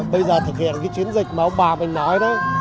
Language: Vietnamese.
bây giờ thực hiện cái chiến dịch mà ông bà mình nói đó